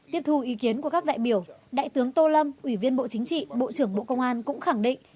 tiếp thu ý kiến của các đại biểu đại tướng tô lâm ủy viên bộ chính trị bộ trưởng bộ công an cũng khẳng định